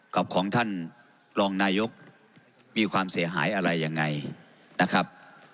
ของท่านรองนายกมีความเสียหายอะไรยังไงนะครับ